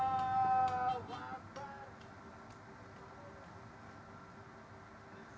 bapak lakukan apa terhadap mereka